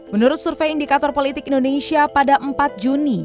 menurut survei indikator politik indonesia pada empat juni